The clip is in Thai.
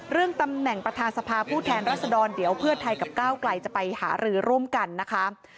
เรื่องตำแหน่งประธานสภาผู้แทนรัศดรเดี๋ยวเพื่อไทยกับก้าวไกลจะไปหารือร่วมกันนะคะ